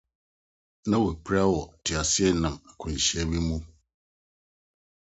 Ná wapira wɔ kar akwanhyia bi mu.